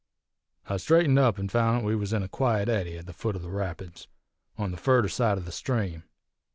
"I straightened up an' found 'at we was in a quiet eddy, at the foot o' the rapids, on the furder side o' the stream.